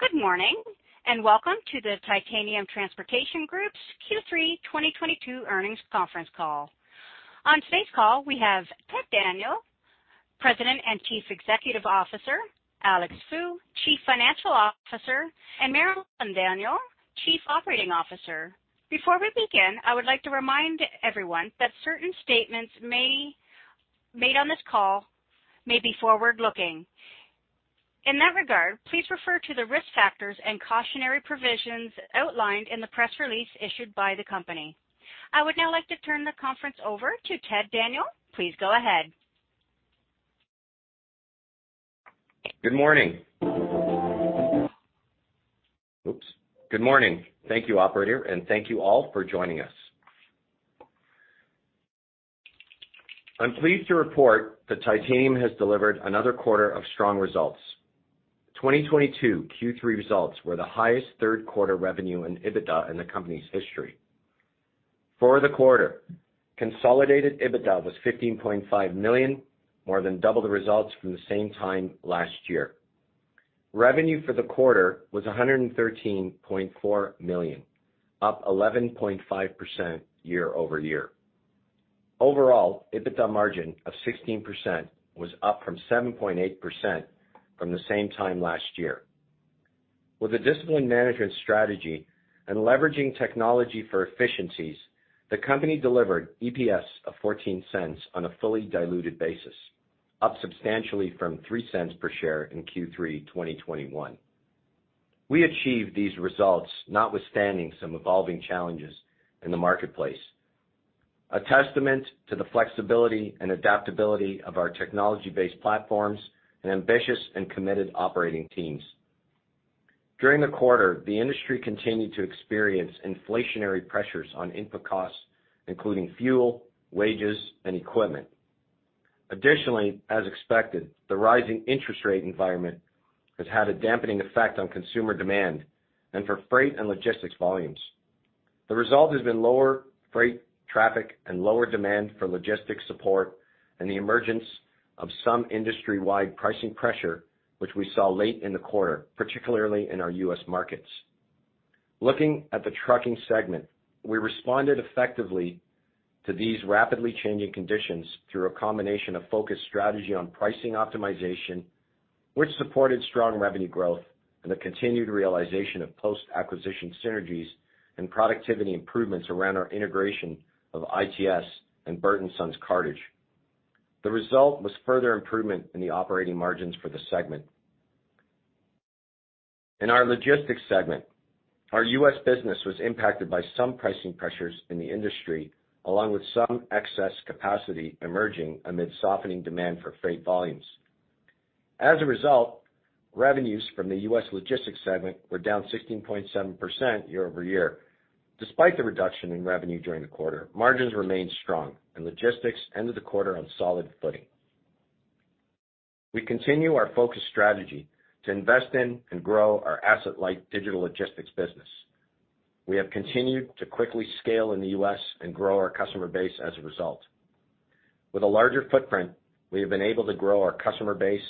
Good morning, welcome to the Titanium Transportation Group's Q3 2022 earnings conference call. On today's call, we have Ted Daniel, President and Chief Executive Officer, Alex Fu, Chief Financial Officer, and Marilyn Daniel, Chief Operating Officer. Before we begin, I would like to remind everyone that certain statements made on this call may be forward-looking. In that regard, please refer to the risk factors and cautionary provisions outlined in the press release issued by the company. I would now like to turn the conference over to Ted Daniel. Please go ahead. Good morning. Thank you, operator, thank you all for joining us. I'm pleased to report that Titanium has delivered another quarter of strong results. 2022 Q3 results were the highest third-quarter revenue and EBITDA in the company's history. For the quarter, consolidated EBITDA was 15.5 million, more than double the results from the same time last year. Revenue for the quarter was 113.4 million, up 11.5% year-over-year. Overall, EBITDA margin of 16% was up from 7.8% from the same time last year. With a disciplined management strategy leveraging technology for efficiencies, the company delivered EPS of 0.14 on a fully diluted basis, up substantially from 0.03 per share in Q3 2021. We achieved these results notwithstanding some evolving challenges in the marketplace, a testament to the flexibility and adaptability of our technology-based platforms and ambitious and committed operating teams. During the quarter, the industry continued to experience inflationary pressures on input costs, including fuel, wages, and equipment. Additionally, as expected, the rising interest rate environment has had a dampening effect on consumer demand for freight and logistics volumes. The result has been lower freight traffic and lower demand for logistics support and the emergence of some industry-wide pricing pressure, which we saw late in the quarter, particularly in our U.S. markets. Looking at the trucking segment, we responded effectively to these rapidly changing conditions through a combination of focused strategy on pricing optimization, which supported strong revenue growth and the continued realization of post-acquisition synergies and productivity improvements around our integration of ITS and Bertrand & Frère Cartage. The result was further improvement in the operating margins for the segment. In our logistics segment, our U.S. business was impacted by some pricing pressures in the industry, along with some excess capacity emerging amid softening demand for freight volumes. As a result, revenues from the U.S. logistics segment were down 16.7% year-over-year. Despite the reduction in revenue during the quarter, margins remained strong, and logistics ended the quarter on solid footing. We continue our focused strategy to invest in and grow our asset-light digital logistics business. We have continued to quickly scale in the U.S. and grow our customer base as a result. With a larger footprint, we have been able to grow our customer base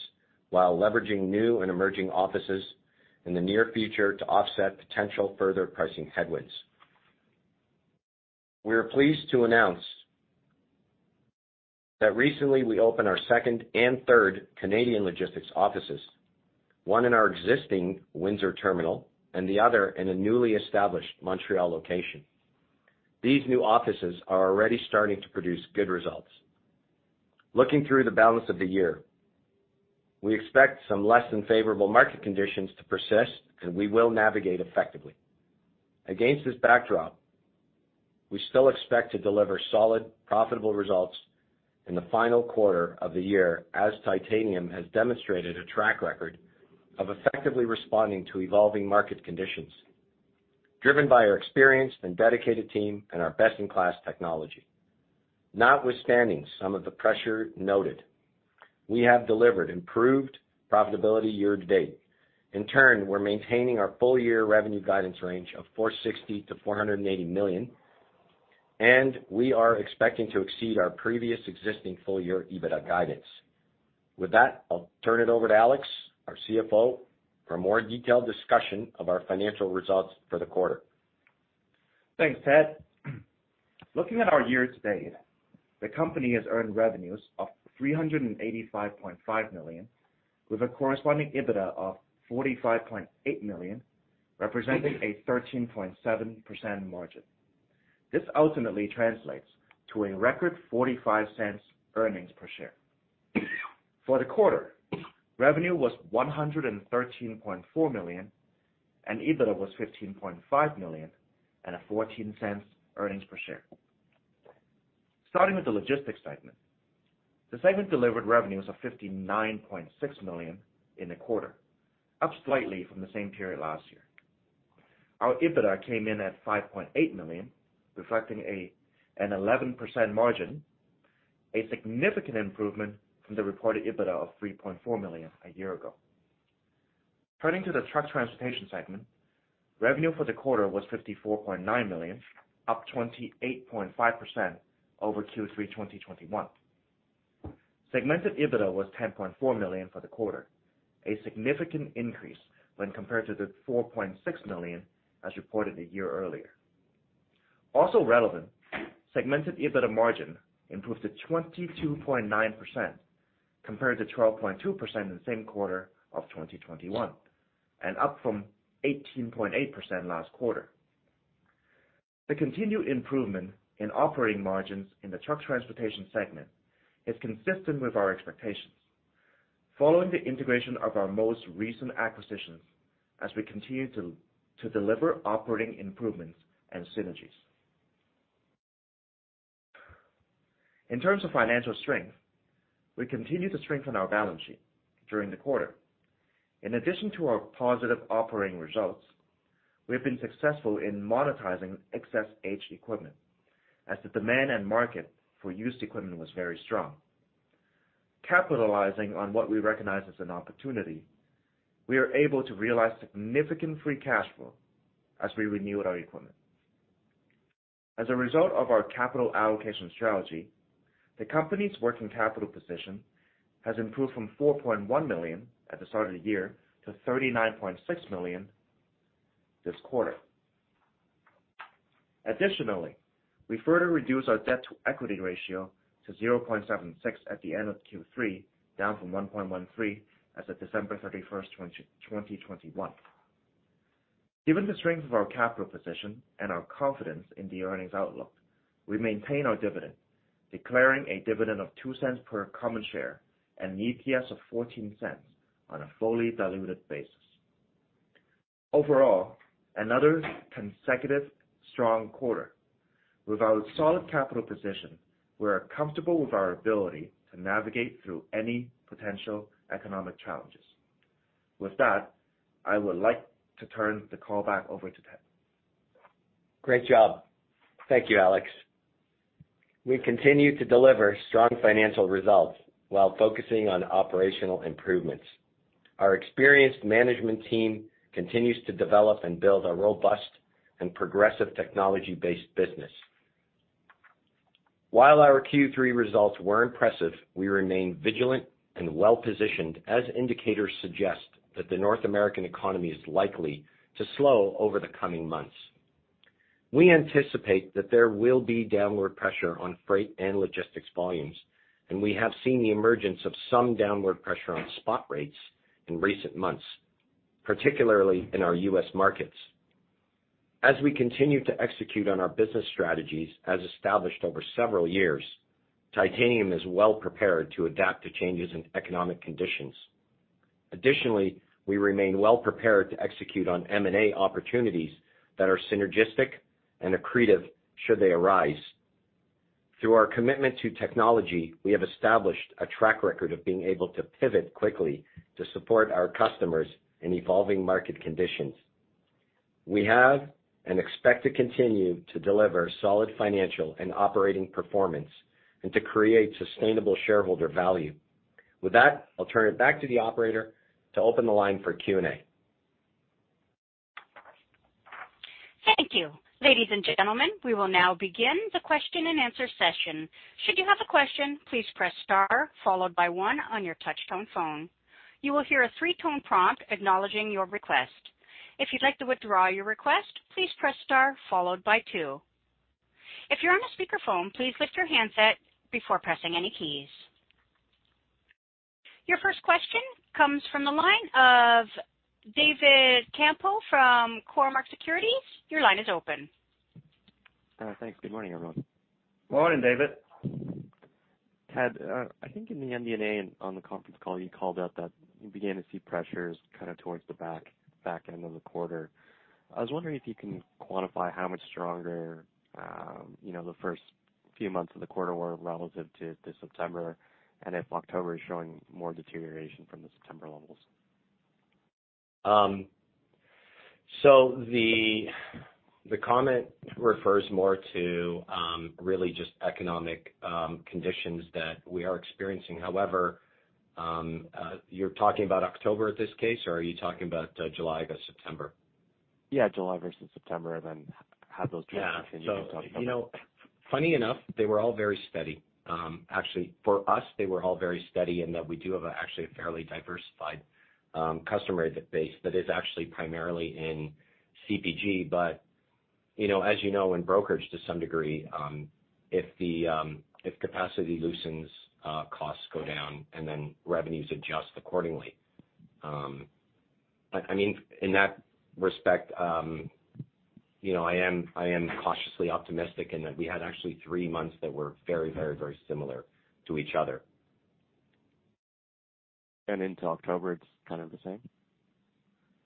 while leveraging new and emerging offices in the near future to offset potential further pricing headwinds. We are pleased to announce that recently we opened our second and third Canadian logistics offices, one in our existing Windsor terminal and the other in a newly established Montreal location. These new offices are already starting to produce good results. Looking through the balance of the year, we expect some less than favorable market conditions to persist, and we will navigate effectively. Against this backdrop, we still expect to deliver solid, profitable results in the final quarter of the year, as Titanium has demonstrated a track record of effectively responding to evolving market conditions, driven by our experienced and dedicated team and our best-in-class technology. Notwithstanding some of the pressure noted, we have delivered improved profitability year to date. We are maintaining our full-year revenue guidance range of 460 million-480 million, and we are expecting to exceed our previous existing full-year EBITDA guidance. With that, I'll turn it over to Alex, our CFO, for a more detailed discussion of our financial results for the quarter. Thanks, Ted. Looking at our year to date, the company has earned revenues of 385.5 million with a corresponding EBITDA of 45.8 million, representing a 13.7% margin. This ultimately translates to a record 0.45 earnings per share. For the quarter, revenue was 113.4 million, and EBITDA was 15.5 million and a 0.14 earnings per share. Starting with the logistics segment. The segment delivered revenues of 59.6 million in the quarter, up slightly from the same period last year. Our EBITDA came in at 5.8 million, reflecting an 11% margin, a significant improvement from the reported EBITDA of 3.4 million a year ago. Turning to the truck transportation segment. Revenue for the quarter was 54.9 million, up 28.5% over Q3 2021. Segmented EBITDA was 10.4 million for the quarter, a significant increase when compared to the 4.6 million as reported a year earlier. Segmented EBITDA margin improved to 22.9%, compared to 12.2% in the same quarter of 2021, and up from 18.8% last quarter. The continued improvement in operating margins in the truck transportation segment is consistent with our expectations. Following the integration of our most recent acquisitions as we continue to deliver operating improvements and synergies. In terms of financial strength, we continue to strengthen our balance sheet during the quarter. In addition to our positive operating results, we have been successful in monetizing excess aged equipment as the demand and market for used equipment was very strong. Capitalizing on what we recognize as an opportunity, we are able to realize significant free cash flow as we renew our equipment. As a result of our capital allocation strategy, the company's working capital position has improved from 4.1 million at the start of the year to 39.6 million this quarter. Additionally, we further reduced our debt-to-equity ratio to 0.76 at the end of Q3, down from 1.13 as of December 31st, 2021. Given the strength of our capital position and our confidence in the earnings outlook, we maintain our dividend, declaring a dividend of 0.02 per common share and an EPS of 0.14 on a fully diluted basis. Overall, another consecutive strong quarter. With our solid capital position, we are comfortable with our ability to navigate through any potential economic challenges. With that, I would like to turn the call back over to Ted. Great job. Thank you, Alex. We continue to deliver strong financial results while focusing on operational improvements. Our experienced management team continues to develop and build a robust and progressive technology-based business. While our Q3 results were impressive, we remain vigilant and well-positioned as indicators suggest that the North American economy is likely to slow over the coming months. We anticipate that there will be downward pressure on freight and logistics volumes, and we have seen the emergence of some downward pressure on spot rates in recent months, particularly in our U.S. markets. As we continue to execute on our business strategies as established over several years, Titanium is well prepared to adapt to changes in economic conditions. Additionally, we remain well prepared to execute on M&A opportunities that are synergistic and accretive should they arise. Through our commitment to technology, we have established a track record of being able to pivot quickly to support our customers in evolving market conditions. We have, and expect to continue, to deliver solid financial and operating performance and to create sustainable shareholder value. With that, I'll turn it back to the operator to open the line for Q&A. Thank you. Ladies and gentlemen, we will now begin the question-and-answer session. Should you have a question, please press star followed by one on your touch-tone phone. You will hear a three-tone prompt acknowledging your request. If you'd like to withdraw your request, please press star followed by two. If you're on a speakerphone, please lift your handset before pressing any keys. Your first question comes from the line of David Campbell from Cormark Securities. Your line is open. Thanks. Good morning, everyone. Morning, David. Ted, I think in the MD&A and on the conference call, you called out that you began to see pressures kind of towards the back end of the quarter. I was wondering if you can quantify how much stronger the first few months of the quarter were relative to September, and if October is showing more deterioration from the September levels. The comment refers more to really just economic conditions that we are experiencing. However, you're talking about October at this case, or are you talking about July to September? Yeah, July versus September. How those trends continue to talk about. Yeah. Funny enough, they were all very steady. Actually, for us, they were all very steady in that we do have actually a fairly diversified customer base that is actually primarily in CPG. As you know, in brokerage to some degree, if capacity loosens, costs go down, and then revenues adjust accordingly. In that respect, I am cautiously optimistic in that we had actually three months that were very similar to each other. Into October, it's kind of the same?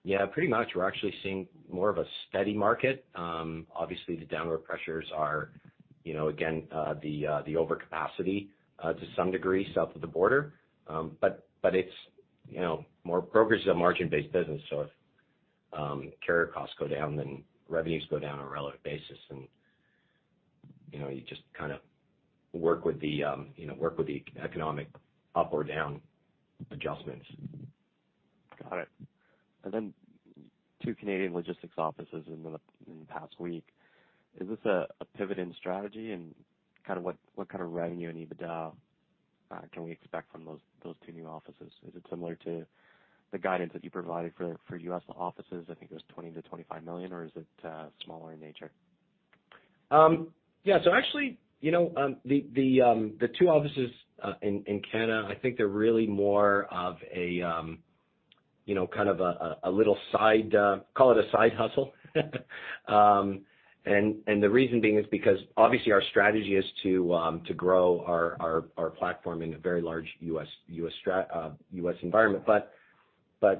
Yeah, pretty much. We're actually seeing more of a steady market. Obviously, the downward pressures are, again, the overcapacity to some degree south of the border. Brokerage is a margin-based business, so if carrier costs go down, then revenues go down on a relative basis. You just work with the economic up or down adjustments. Got it. Two Canadian logistics offices in the past week. Is this a pivot in strategy and what kind of revenue and EBITDA can we expect from those two new offices? Is it similar to the guidance that you provided for U.S. offices? I think it was 20 million-25 million, or is it smaller in nature? The two offices in Canada, I think they're really more of a little side, call it a side hustle. The reason being is because obviously our strategy is to grow our platform in a very large U.S. environment.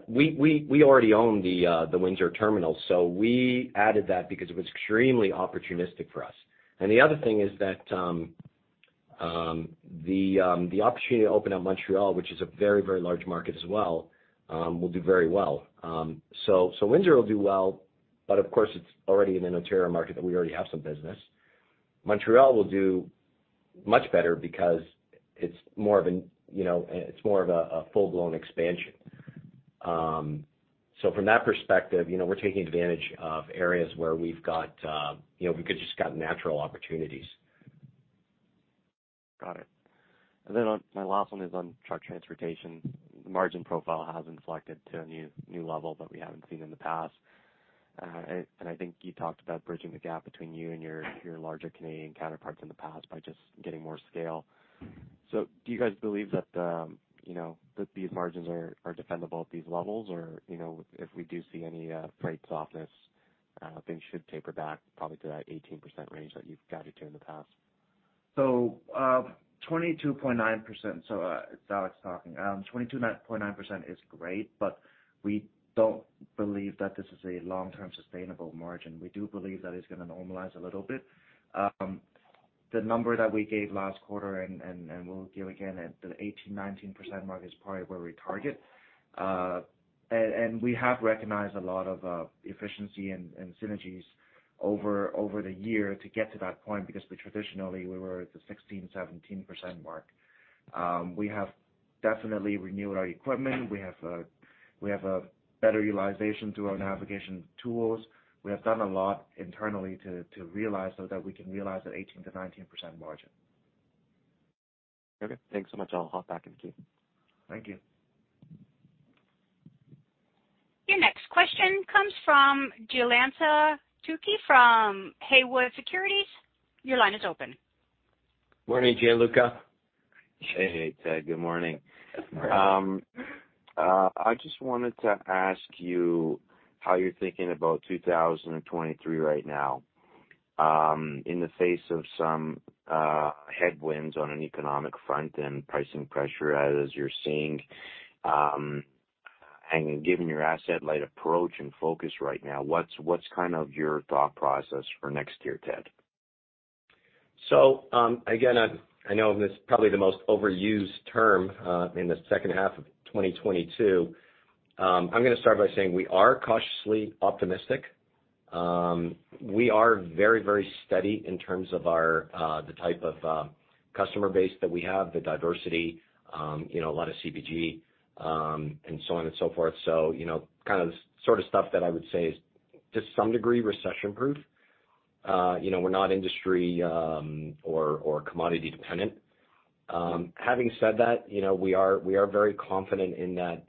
We already own the Windsor terminal, so we added that because it was extremely opportunistic for us. The other thing is that the opportunity to open up Montreal, which is a very large market as well, will do very well. Windsor will do well, but of course, it's already in an Ontario market that we already have some business. Montreal will do much better because it's more of a full-blown expansion. From that perspective, we're taking advantage of areas where we could just get natural opportunities. Got it. My last one is on truck transportation. The margin profile has inflected to a new level that we haven't seen in the past. I think you talked about bridging the gap between you and your larger Canadian counterparts in the past by just getting more scale. Do you guys believe that these margins are defendable at these levels? If we do see any freight softness, things should taper back probably to that 18% range that you've guided to in the past. 22.9%. It's Alex talking. 22.9% is great, but we don't believe that this is a long-term sustainable margin. We do believe that it's going to normalize a little bit. The number that we gave last quarter, and we'll give again, at the 18%-19% mark is probably where we target. We have recognized a lot of efficiency and synergies over the year to get to that point, because traditionally, we were at the 16%-17% mark. We have definitely renewed our equipment. We have a better utilization through our navigation tools. We have done a lot internally to realize so that we can realize that 18%-19% margin. Okay. Thanks so much. I'll hop back in the queue. Thank you. Your next question comes from Gianluca Tucci from Haywood Securities. Your line is open. Morning, Gianluca. Hey, Ted. Good morning. Good morning. I just wanted to ask you how you're thinking about 2023 right now, in the face of some headwinds on an economic front and pricing pressure as you're seeing. Given your asset-light approach and focus right now, what's your thought process for next year, Ted? Again, I know this is probably the most overused term in the second half of 2022. I'm going to start by saying we are cautiously optimistic. We are very steady in terms of the type of customer base that we have, the diversity, a lot of CPG, and so on and so forth. Sort of stuff that I would say is to some degree, recession-proof. We're not industry or commodity dependent. Having said that, we are very confident in that.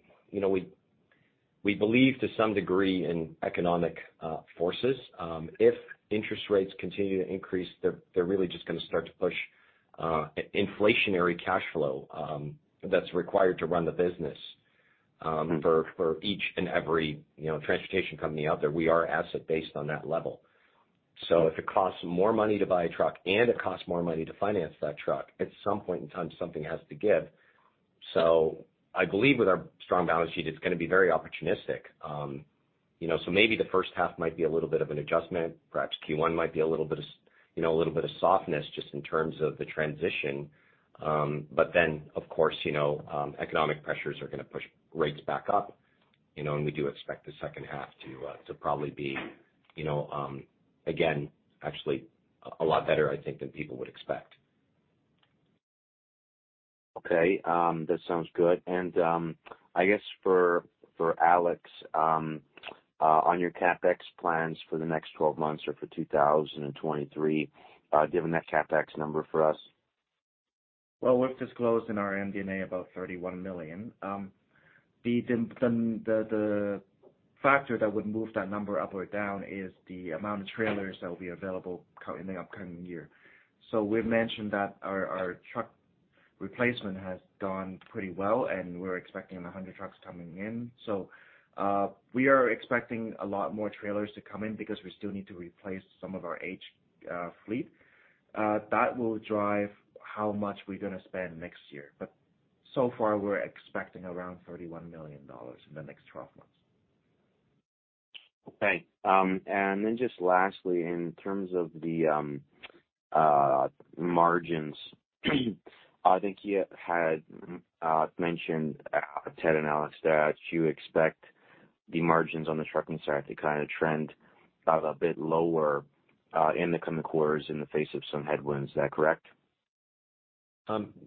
We believe to some degree in economic forces. If interest rates continue to increase, they're really just going to start to push inflationary cash flow that's required to run the business for each and every transportation company out there. We are asset based on that level. If it costs more money to buy a truck and it costs more money to finance that truck, at some point in time, something has to give. I believe with our strong balance sheet, it's going to be very opportunistic. Maybe the first half might be a little bit of an adjustment. Perhaps Q1 might be a little bit of softness just in terms of the transition. Economic pressures are going to push rates back up, and we do expect the second half to probably be, again, actually a lot better, I think, than people would expect. Okay. That sounds good. I guess for Alex, on your CapEx plans for the next 12 months or for 2023, do you have that CapEx number for us? Well, we've disclosed in our MD&A about $31 million. The factor that would move that number up or down is the amount of trailers that will be available in the upcoming year. We've mentioned that our truck replacement has gone pretty well, and we're expecting 100 trucks coming in. We are expecting a lot more trailers to come in because we still need to replace some of our aged fleet. That will drive how much we're going to spend next year. So far, we're expecting around $31 million in the next 12 months. Okay. Just lastly, in terms of the margins, I think you had mentioned, Ted and Alex, that you expect the margins on the trucking side to kind of trend out a bit lower in the coming quarters in the face of some headwinds. Is that correct?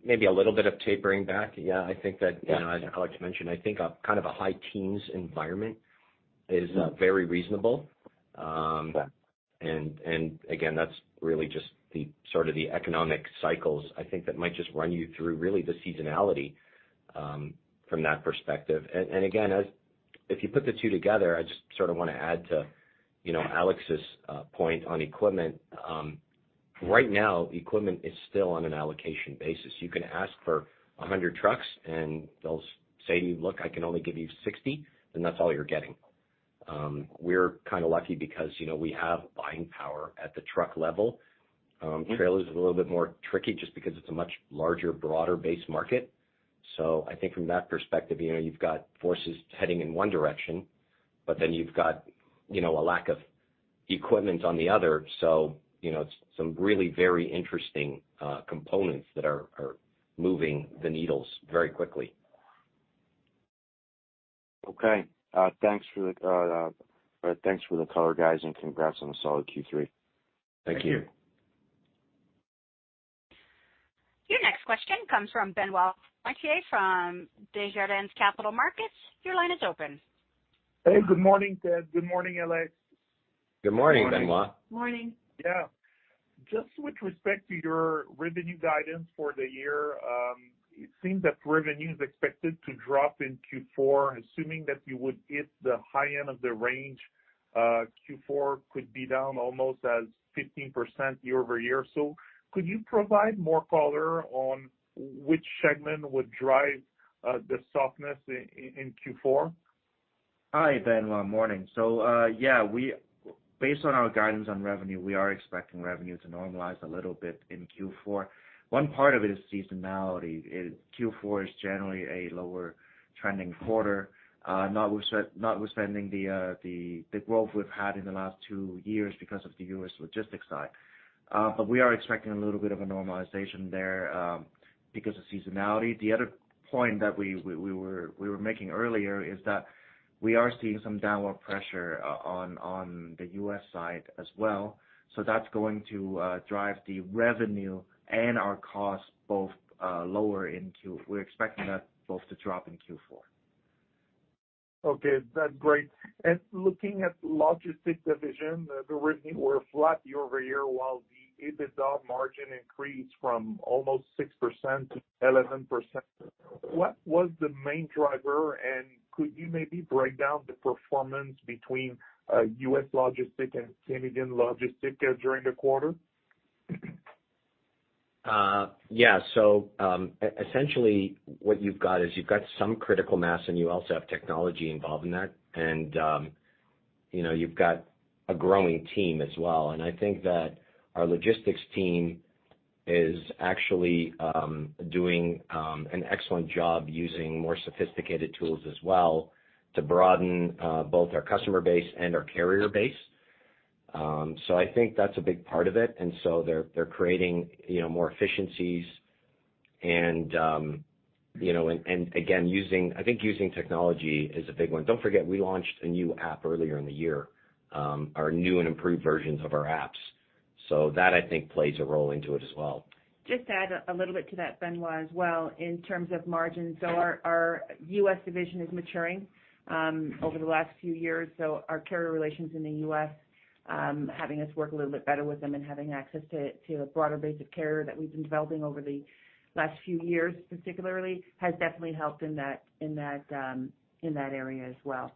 Maybe a little bit of tapering back. Yeah, I think that, as Alex mentioned, I think a kind of a high teens environment is very reasonable. Okay. Again, that's really just the sort of the economic cycles, I think that might just run you through really the seasonality from that perspective. Again, if you put the two together, I just sort of want to add to Alex's point on equipment. Right now, equipment is still on an allocation basis. You can ask for 100 trucks, and they'll say to you, "Look, I can only give you 60," then that's all you're getting. We're kind of lucky because we have buying power at the truck level. Trailer is a little bit trickier just because it's a much larger, broader-based market. I think from that perspective, you've got forces heading in one direction, but then you've got a lack of equipment on the other. It's some really very interesting components that are moving the needles very quickly. Okay. Thanks for the color, guys, and congrats on a solid Q3. Thank you. Thank you. Your next question comes from Benoit Poirier from Desjardins Capital Markets. Your line is open. Hey, good morning, Ted. Good morning, Alex. Good morning, Benoit. Good morning. Yeah. Just with respect to your revenue guidance for the year, it seems that revenue is expected to drop in Q4. Assuming that you would hit the high end of the range, Q4 could be down almost 15% year-over-year. Could you provide more color on which segment would drive the softness in Q4? Hi, Benoit. Morning. Yeah, based on our guidance on revenue, we are expecting revenue to normalize a little bit in Q4. One part of it is seasonality. Q4 is generally a lower trending quarter, notwithstanding the growth we've had in the last two years because of the U.S. logistics side. We are expecting a little bit of a normalization there, because of seasonality. The other point that we were making earlier is that we are seeing some downward pressure on the U.S. side as well. That's going to drive the revenue and our costs both lower. We're expecting that both to drop in Q4. Okay, that's great. Looking at logistics division, the revenue were flat year-over-year, while the EBITDA margin increased from almost 6% to 11%. What was the main driver, and could you maybe break down the performance between U.S. logistics and Canadian logistics during the quarter? Essentially what you've got is you've got some critical mass and you also have technology involved in that. You've got a growing team as well, and I think that our logistics team is actually doing an excellent job using more sophisticated tools as well to broaden both our customer base and our carrier base. I think that's a big part of it. They're creating more efficiencies and again, I think using technology is a big one. Don't forget, we launched a new app earlier in the year, our new and improved versions of our apps. That I think plays a role into it as well. Just to add a little bit to that, Benoit, as well, in terms of margins, our U.S. division is maturing over the last few years. Our carrier relations in the U.S., having us work a little bit better with them and having access to a broader base of carrier that we've been developing over the last few years particularly, has definitely helped in that area as well.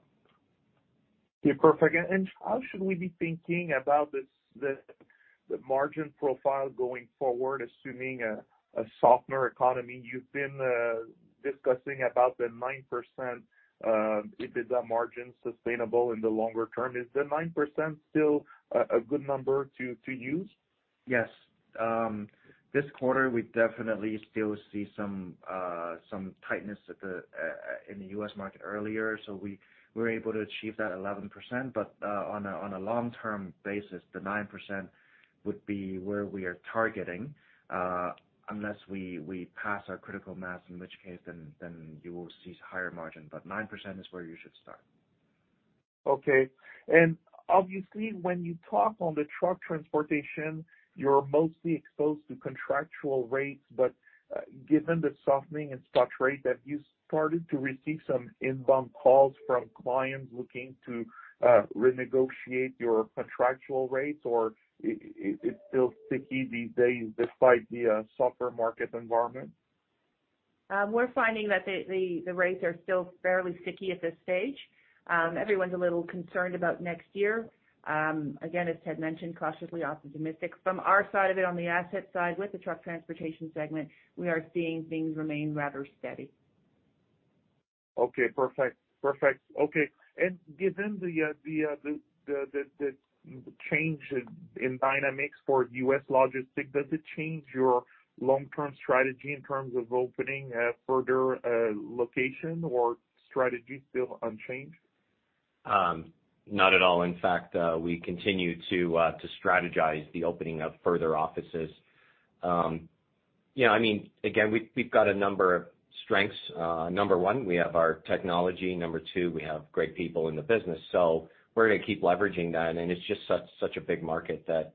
Yeah, perfect. How should we be thinking about the margin profile going forward, assuming a softer economy? You've been discussing about the 9% EBITDA margin sustainable in the longer term. Is the 9% still a good number to use? Yes. This quarter, we definitely still see some tightness in the U.S. market earlier, we were able to achieve that 11%. On a long-term basis, the 9% would be where we are targeting. Unless we pass our critical mass, in which case, you will see higher margin. 9% is where you should start. Obviously, when you talk on the truck transportation, you're mostly exposed to contractual rates. Given the softening in spot rate, have you started to receive some inbound calls from clients looking to renegotiate your contractual rates, or it's still sticky these days despite the softer market environment? We're finding that the rates are still fairly sticky at this stage. Everyone's a little concerned about next year. Again, as Ted mentioned, cautiously optimistic. From our side of it, on the asset side with the truck transportation segment, we are seeing things remain rather steady. Okay, perfect. Given the change in dynamics for U.S. logistics, does it change your long-term strategy in terms of opening a further location or strategy still unchanged? Not at all. In fact, we continue to strategize the opening of further offices. Again, we've got a number of strengths. Number 1, we have our technology. Number 2, we have great people in the business. We're going to keep leveraging that, and it's just such a big market that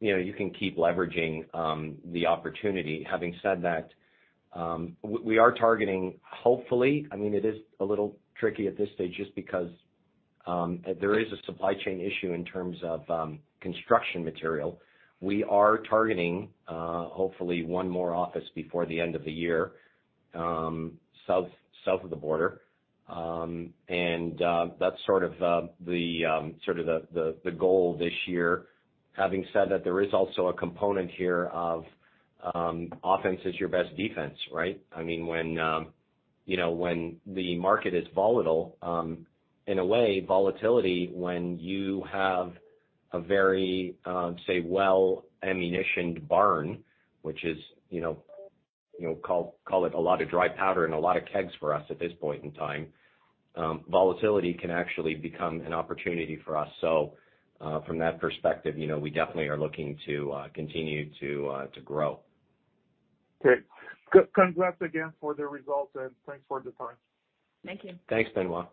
you can keep leveraging the opportunity. Having said that, we are targeting, hopefully, it is a little tricky at this stage just because there is a supply chain issue in terms of construction material. We are targeting hopefully one more office before the end of the year, south of the border. That's sort of the goal this year. Having said that, there is also a component here of offense is your best defense, right? When the market is volatile, in a way, volatility, when you have a very, say, well-ammunitioned barn, which is call it a lot of dry powder and a lot of kegs for us at this point in time. Volatility can actually become an opportunity for us. From that perspective, we definitely are looking to continue to grow. Great. Congrats again for the results, thanks for the time. Thank you. Thanks, Benoit.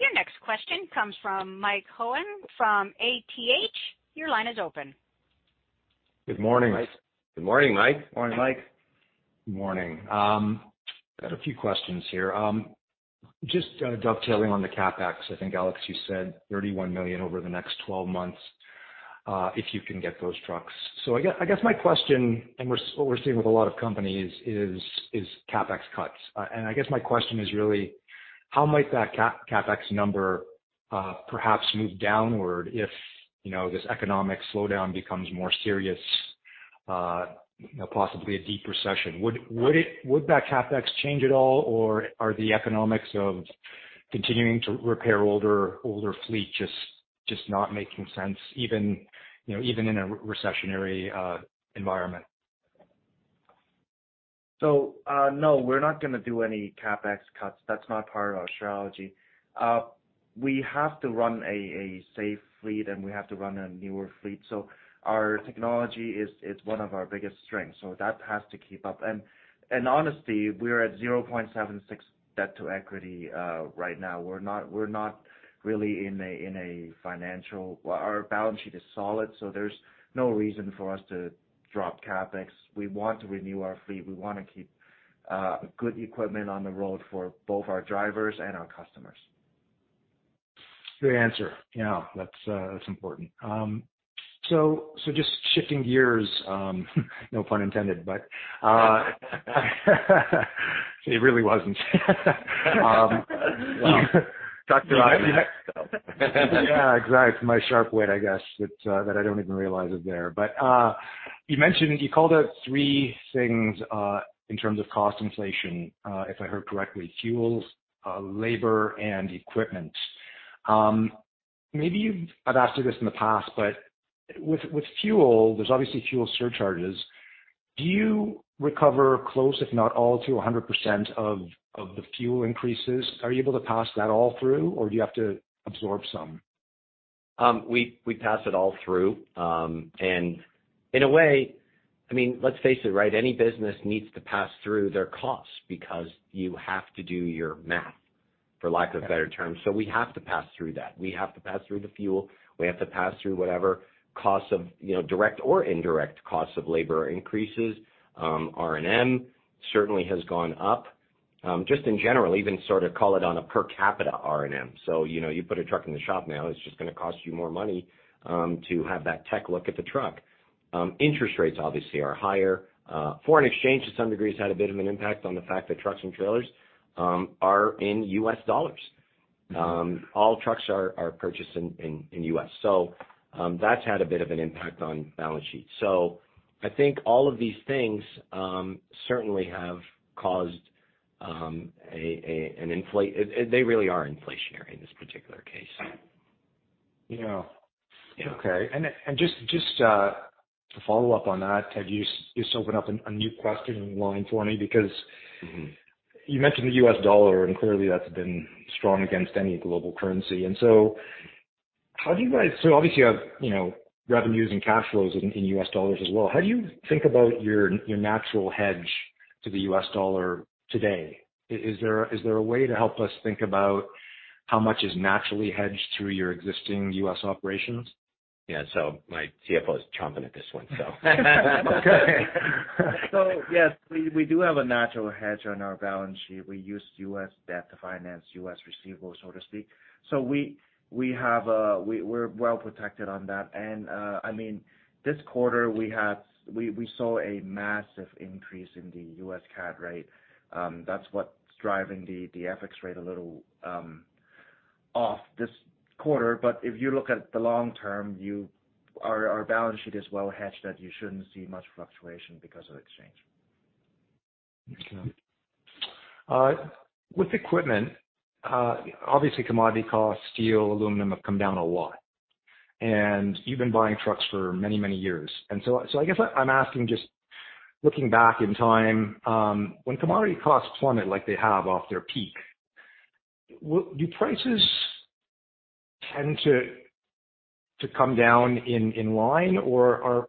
Your next question comes from Mike Hogan from ATH. Your line is open. Good morning. Good morning, Mike. Morning, Mike. Good morning. I've got a few questions here. Just dovetailing on the CapEx, I think, Alex, you said $31 million over the next 12 months, if you can get those trucks. I guess my question, and what we're seeing with a lot of companies is CapEx cuts. I guess my question is really how might that CapEx number perhaps move downward if this economic slowdown becomes more serious, possibly a deep recession? Would that CapEx change at all, or are the economics of continuing to repair older fleet just not making sense even in a recessionary environment? No, we're not going to do any CapEx cuts. That's not part of our strategy. We have to run a safe fleet, and we have to run a newer fleet. Our technology is one of our biggest strengths. That has to keep up. Honestly, we are at 0.76 debt to equity right now. Well, our balance sheet is solid, so there's no reason for us to drop CapEx. We want to renew our fleet. We want to keep good equipment on the road for both our drivers and our customers. Good answer. Yeah. That's important. Just shifting gears, no pun intended. It really wasn't. Well, Dr. You had to make that joke. Yeah, exactly. It's my sharp wit, I guess, that I don't even realize it there. You called out three things in terms of cost inflation, if I heard correctly, fuels, labor, and equipment. Maybe I've asked you this in the past, but with fuel, there's obviously fuel surcharges. Do you recover close, if not all to 100% of the fuel increases? Are you able to pass that all through, or do you have to absorb some? We pass it all through. In a way, let's face it, right? Any business needs to pass through their costs because you have to do your math, for lack of a better term. We have to pass through that. We have to pass through the fuel. We have to pass through whatever costs of, direct or indirect costs of labor increases. R&M certainly has gone up. Just in general, even sort of call it on a per capita R&M. You put a truck in the shop now, it's just going to cost you more money to have that tech look at the truck. Interest rates obviously are higher. Foreign exchange, to some degree, has had a bit of an impact on the fact that trucks and trailers are in US dollars. All trucks are purchased in U.S. That's had a bit of an impact on balance sheet. I think all of these things certainly have caused an. They really are inflationary in this particular case. Yeah. Yeah. Okay. Just to follow up on that, you just opened up a new question in line for me. You mentioned the U.S. dollar, clearly that's been strong against any global currency. Obviously you have revenues and cash flows in U.S. dollars as well. How do you think about your natural hedge to the U.S. dollar today? Is there a way to help us think about how much is naturally hedged through your existing U.S. operations? Yeah. My CFO is chomping at this one. Okay. Yes, we do have a natural hedge on our balance sheet. We use U.S. debt to finance U.S. receivables, so to speak. We're well-protected on that. This quarter, we saw a massive increase in the U.S. CAD rate. That's what's driving the FX rate a little off this quarter. If you look at the long term, our balance sheet is well hedged that you shouldn't see much fluctuation because of exchange. Okay. With equipment, obviously commodity costs, steel, aluminum, have come down a lot. You've been buying trucks for many, many years. I guess I'm asking, just looking back in time, when commodity costs plummet like they have off their peak, do prices tend to come down in line, or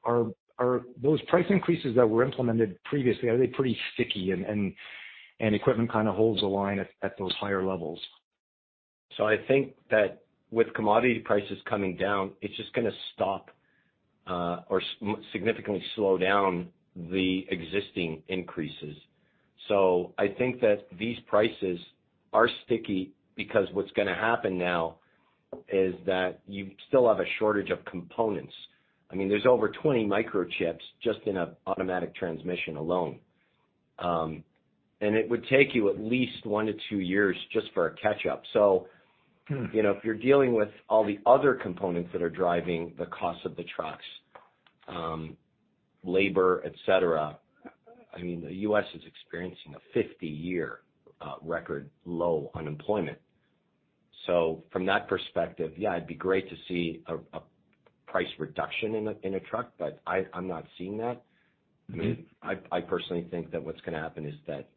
are those price increases that were implemented previously, are they pretty sticky, and equipment kind of holds the line at those higher levels? I think that with commodity prices coming down, it's just going to stop or significantly slow down the existing increases. I think that these prices are sticky because what's going to happen now is that you still have a shortage of components. There's over 20 microchips just in an automatic transmission alone. It would take you at least one to two years just for a catch-up. If you're dealing with all the other components that are driving the cost of the trucks, labor, et cetera, the U.S. is experiencing a 50-year record low unemployment. From that perspective, yeah, it'd be great to see a price reduction in a truck, but I'm not seeing that. I personally think that what's going to happen is that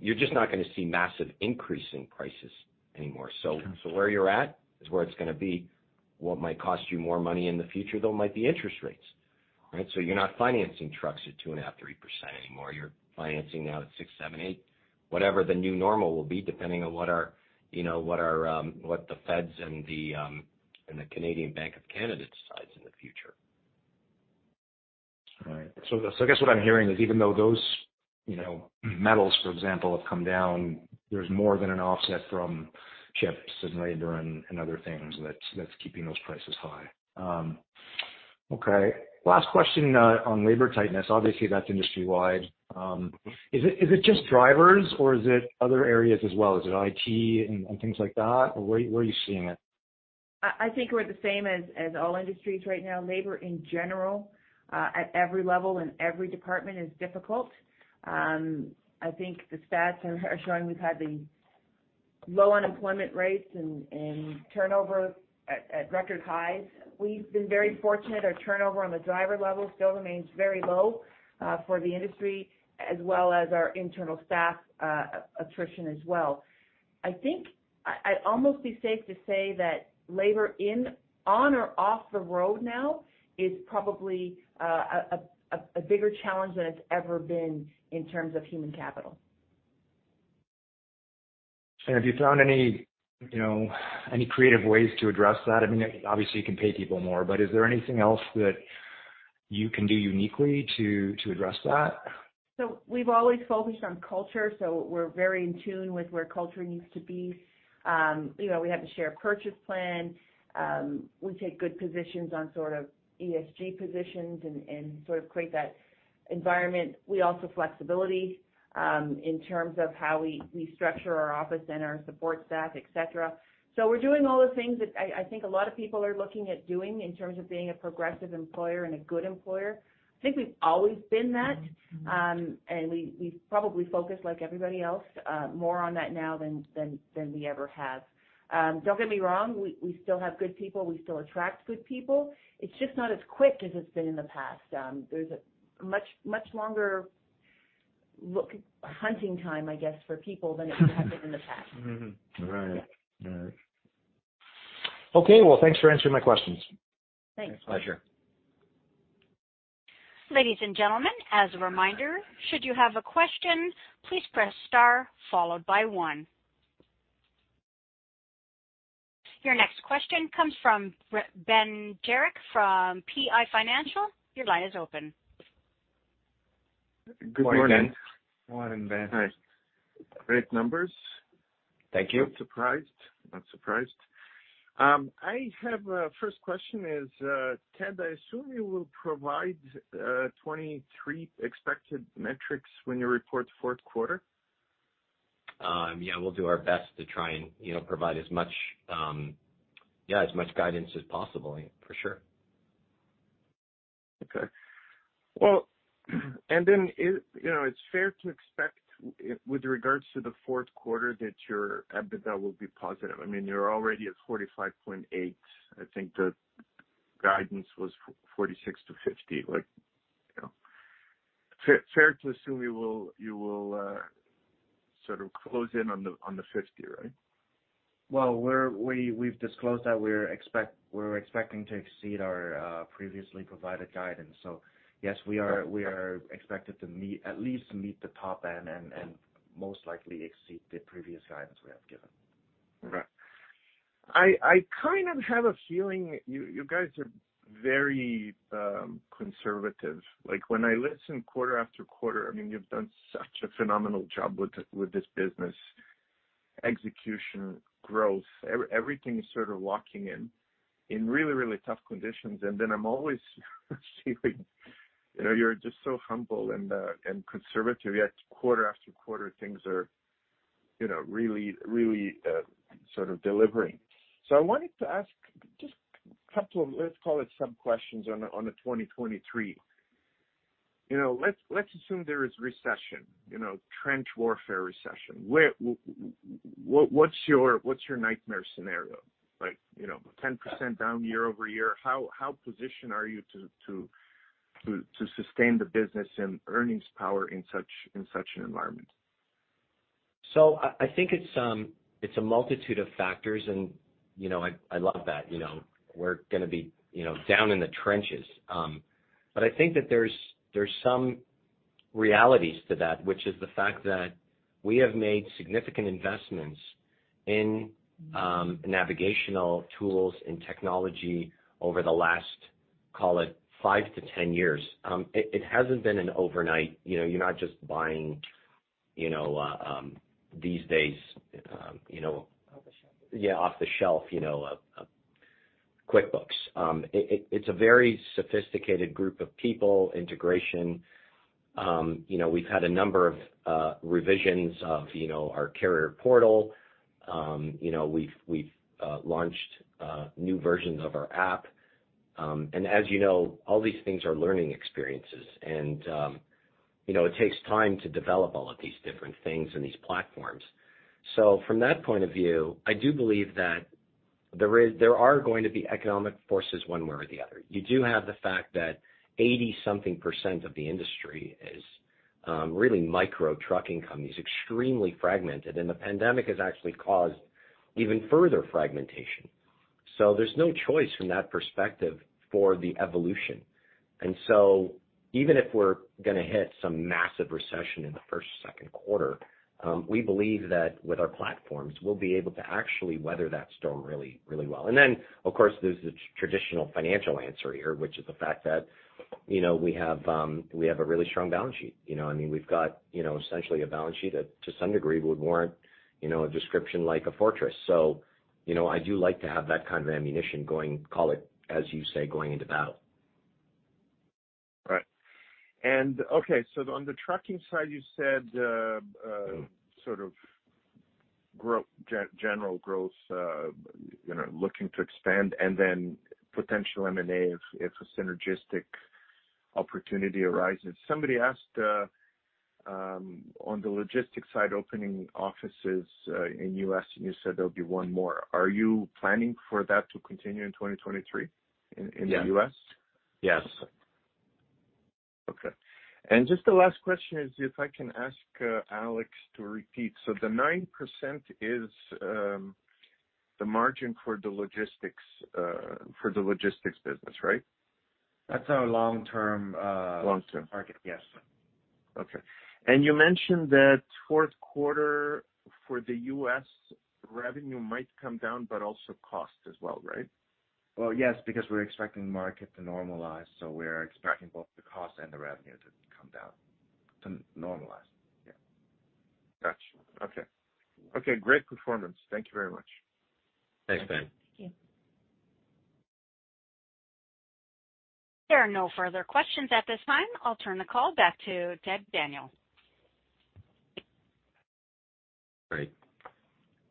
you're just not going to see massive increase in prices anymore. Got it. Where you're at is where it's going to be. What might cost you more money in the future, though, might be interest rates. You're not financing trucks at 2.5%, 3% anymore. You're financing now at 6%, 7%, 8%. Whatever the new normal will be, depending on what the Feds and the Bank of Canada decides in the future. Right. I guess what I'm hearing is even though those metals, for example, have come down, there's more than an offset from chips and labor and other things that's keeping those prices high. Last question on labor tightness. Obviously, that's industry-wide. Is it just drivers or is it other areas as well? Is it IT and things like that, or where are you seeing it? I think we're the same as all industries right now. Labor in general, at every level, in every department is difficult. I think the stats are showing we've had the low unemployment rates and turnover at record highs. We've been very fortunate. Our turnover on the driver level still remains very low for the industry as well as our internal staff attrition as well. I think I'd almost be safe to say that labor on or off the road now is probably a bigger challenge than it's ever been in terms of human capital. Have you found any creative ways to address that? Obviously you can pay people more, but is there anything else that you can do uniquely to address that? We've always focused on culture, so we're very in tune with where culture needs to be. We have the share purchase plan. We take good positions on sort of ESG positions and sort of create that environment. We offer flexibility in terms of how we structure our office and our support staff, et cetera. We're doing all the things that I think a lot of people are looking at doing in terms of being a progressive employer and a good employer. I think we've always been that. We've probably focused, like everybody else, more on that now than we ever have. Don't get me wrong, we still have good people. We still attract good people. It's just not as quick as it's been in the past. There's a much longer hunting time, I guess, for people than it has been in the past. Right. Yeah. All right. Okay, well, thanks for answering my questions. Thanks. My pleasure. Ladies and gentlemen, as a reminder, should you have a question, please press star followed by one. Your next question comes from Ben Jekic from PI Financial. Your line is open. Good morning. Morning, Ben. Hi. Great numbers. Thank you. Not surprised. I have a first question is, Ted, I assume you will provide 2023 expected metrics when you report fourth quarter? Yeah, we'll do our best to try and provide as much guidance as possible. For sure. Okay. Well, it's fair to expect with regards to the fourth quarter that your EBITDA will be positive. You're already at 45.8. I think the guidance was 46 to 50. Fair to assume you will sort of close in on the 50, right? Well, we've disclosed that we're expecting to exceed our previously provided guidance. Yes, we are expected to at least meet the top end and most likely exceed the previous guidance we have given. Right. I kind of have a feeling you guys are very conservative. Like when I listen quarter after quarter, you've done such a phenomenal job with this business. Execution, growth, everything is sort of locking in in really, really tough conditions. I'm always seeing you're just so humble and conservative, yet quarter after quarter, things are really sort of delivering. I wanted to ask just a couple of, let's call it sub-questions on the 2023. Let's assume there is recession, trench warfare recession. What's your nightmare scenario? Like 10% down year-over-year. How positioned are you to sustain the business and earnings power in such an environment. I think it's a multitude of factors and I love that we're going to be down in the trenches. I think that there's some realities to that, which is the fact that we have made significant investments in navigational tools and technology over the last, call it 5 to 10 years. It hasn't been an overnight, you're not just buying these days. Off the shelf yeah, off the shelf, QuickBooks. It's a very sophisticated group of people, integration. We've had a number of revisions of our carrier portal. We've launched new versions of our app. As you know, all these things are learning experiences and it takes time to develop all of these different things and these platforms. From that point of view, I do believe that there are going to be economic forces one way or the other. You do have the fact that 80-something% of the industry is really micro trucking companies, extremely fragmented. The pandemic has actually caused even further fragmentation. There's no choice from that perspective for the evolution. Even if we're going to hit some massive recession in the first, second quarter, we believe that with our platforms, we'll be able to actually weather that storm really, really well. Then, of course, there's the traditional financial answer here, which is the fact that we have a really strong balance sheet. We've got essentially a balance sheet that to some degree would warrant a description like a fortress. I do like to have that kind of ammunition going, call it, as you say, going into battle. Right. On the trucking side, you said sort of general growth, looking to expand and then potential M&A if a synergistic opportunity arises. Somebody asked on the logistics side, opening offices in U.S., and you said there'll be one more. Are you planning for that to continue in 2023 in the U.S.? Yes. Okay. Just the last question is, if I can ask Alex to repeat. The 9% is the margin for the logistics business, right? That's our long-term Long-term target, yes. Okay. You mentioned that fourth quarter for the U.S. revenue might come down, but also cost as well, right? Well, yes, because we're expecting the market to normalize, so we're expecting both the cost and the revenue to come down, to normalize. Yeah. Got you. Okay. Okay, great performance. Thank you very much. Thanks, Ben. Thank you. There are no further questions at this time. I'll turn the call back to Ted Daniel. Great.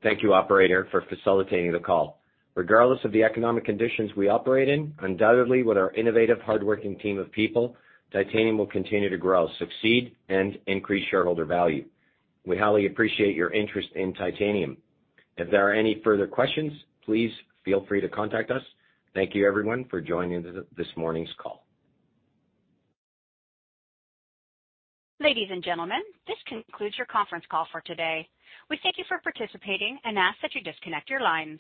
Thank you operator for facilitating the call. Regardless of the economic conditions we operate in, undoubtedly with our innovative, hardworking team of people, Titanium will continue to grow, succeed, and increase shareholder value. We highly appreciate your interest in Titanium. If there are any further questions, please feel free to contact us. Thank you everyone for joining this morning's call. Ladies and gentlemen, this concludes your conference call for today. We thank you for participating and ask that you disconnect your lines.